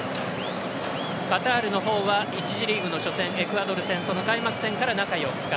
カタールのほうは１次リーグの初戦エクアドル戦、開幕戦から中４日。